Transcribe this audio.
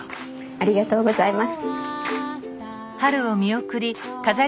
ありがとうございます。